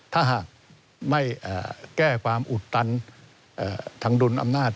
ถ้าหากไม่แก้ความอุดตันทางดุลอำนาจ